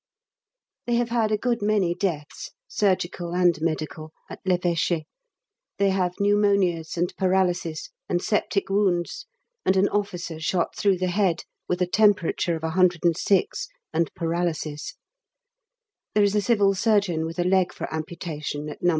They have had a good many deaths, surgical and medical, at L'Evêché; they have pneumonias, and paralysis, and septic wounds, and an officer shot through the head, with a temperature of 106 and paralysis; there is a civil surgeon with a leg for amputation at No.